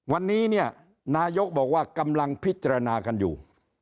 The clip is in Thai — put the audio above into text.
วันนี้เนี่ยนายกบอกว่ากำลังพิจารณากันอยู่